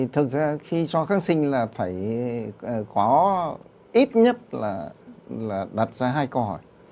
thực ra khi cho kháng sinh là phải có ít nhất là đặt ra hai câu hỏi